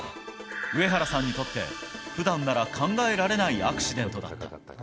上原さんにとって、ふだんなら考えられないアクシデントだった。